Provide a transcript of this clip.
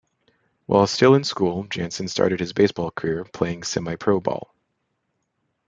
While still in school Jansen started his baseball career playing semi-pro ball.